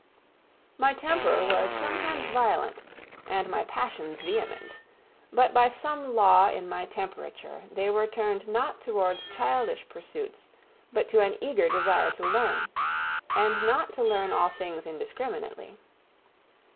My temper was sometimes violent, and my passions vehement; but by some law in my temperature they were turned not towards childish pursuits but to an eager desire to learn, and not to learn all things indiscriminately.